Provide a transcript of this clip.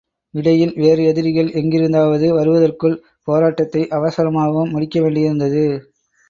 இடையில் வேறு எதிரிகள் எங்கிருந்தாவது வருதற்குள் போராட்டத்தை அவசரமாகவும் முடிக்க வேண்டியிருந்தது.